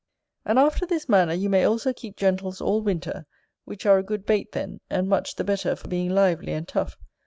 And after this manner you may also keep gentles all winter; which are a good bait then, and much the better for being lively and tough.